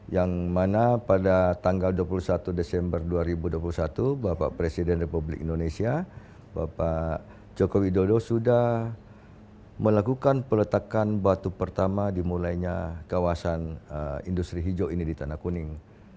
yang mana pada tanggal dua puluh satu desember dua ribu dua puluh satu bapak presiden republik indonesia bapak joko widodo sudah melakukan peletakan batu pertama dimulainya kawasan industri hijau ini di tanah kuning